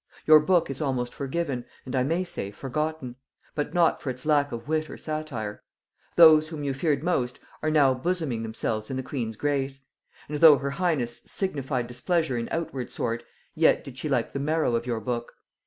Your book is almost forgiven, and I may say forgotten; but not for its lack of wit or satire. Those whom you feared most are now bosoming themselves in the queen's grace; and though her highness signified displeasure in outward sort, yet did she like the marrow of your book.